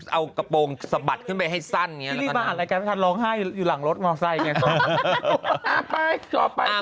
เอากระโปรงสะบัดขึ้นไปให้สั้นอย่างนี้แล้วก็มาอ่านรายการไม่ทันร้องไห้อยู่หลังรถมอไซคไง